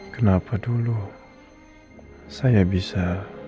kenapa dulu saya bisa